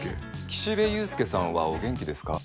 岸辺勇介さんはお元気ですか？